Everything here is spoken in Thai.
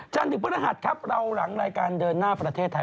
ถึงพฤหัสครับเราหลังรายการเดินหน้าประเทศไทย